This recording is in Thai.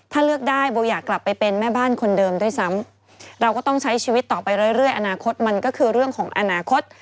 ถ้าเลือกได้โบอยากกลับไปเป็นแม่บ้านคนเดิมด้วยซ้ำเราก็ต้องใช้ชีวิตต่อไปเรื่อยอนาคตมันก็คือเรื่องของอนาคต